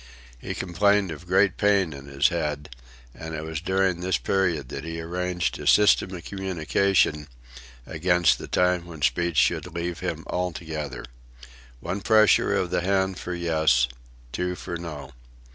He complained of great pain in his head, and it was during this period that he arranged a system of communication against the time when speech should leave him altogether—one pressure of the hand for "yes," two for "no."